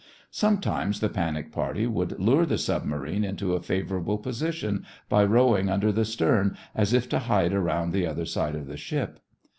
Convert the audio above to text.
Sometimes the panic party would lure the submarine into a favorable position by rowing under the stern as if to hide around the other side of the ship.